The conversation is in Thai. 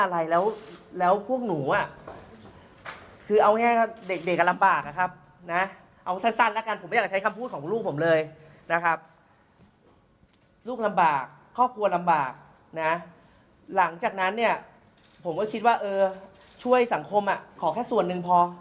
หลังจากนั้นเนี่ยผมก็คิดว่าเออช่วยสังคมขอแค่ส่วนหนึ่งพอ